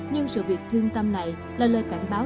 nhưng sự việc thương tâm này là lời cảnh báo